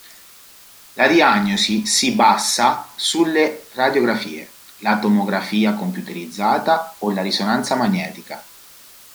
La diagnosi si bassa sulle radiografie, la Tomografia computerizzata, o la risonanza magnetica.